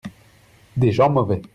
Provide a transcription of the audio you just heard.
des gens mauvais.